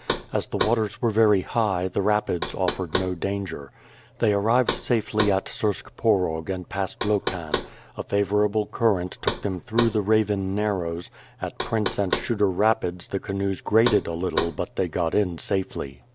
As the waters were very high, the rapids offered no danger. They arrived safely at Sursk Porog and passed Lokhan; a favorable current took them "through the Raven Narrows^ at Prince and Shooter Rapids' the canoes grated a little but they got in safely.